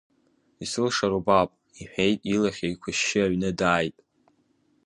Исылшар убап, — иҳәеит, илахь еиқәышьшьы аҩны дааит.